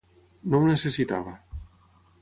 No ho necessitava.